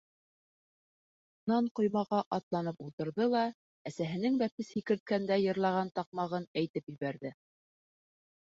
Унан ҡоймаға атланып ултырҙы ла әсәһенең бәпес һикерткәндә йырлаған таҡмағын әйтеп ебәрҙе: